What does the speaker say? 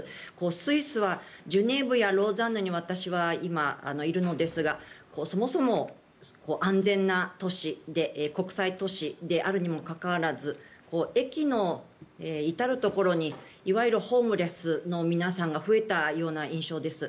スイスはジュネーブやローザンヌに私は今、いるのですがそもそも安全な都市で国際都市であるにもかかわらず駅の至るところにいわゆるホームレスの皆さんが増えたような印象です。